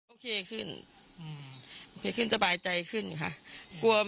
โอเคขึ้นโอเคขึ้นสบายใจขึ้นค่ะ